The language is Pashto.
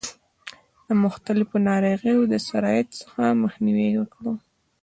د مختلفو ناروغیو د سرایت څخه مخنیوی وکړي.